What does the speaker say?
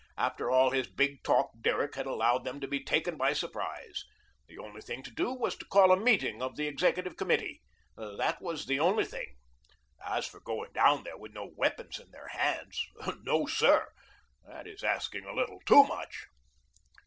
After all his big talk Derrick had allowed them to be taken by surprise. The only thing to do was to call a meeting of the Executive Committee. That was the only thing. As for going down there with no weapons in their hands, NO, sir. That was asking a little TOO much.